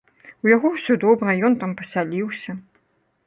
У яго ўсё добра, ён там пасяліўся.